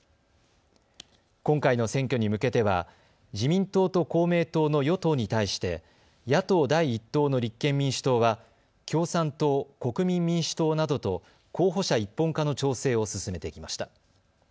今回の選挙に向けては自民党と公明党の与党に対して野党第一党の立憲民主党は共産党、国民民主党などと候補者一本化の調整を進めてきました。